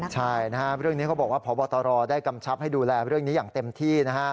ใช่นะครับเรื่องนี้เขาบอกว่าพบตรได้กำชับให้ดูแลเรื่องนี้อย่างเต็มที่